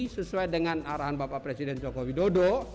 sesuai dengan arahan bapak presiden jokowi dodo